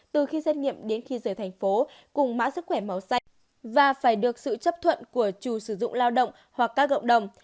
từ khi xét nghiệm đến khi rời thành phố cùng mã sức khỏe màu xanh và phải được sự chấp thuận của chủ sử dụng lao động hoặc các cộng đồng